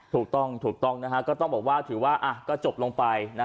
ถูกต้องก็ต้องบอกว่าถือว่าก็จบลงไป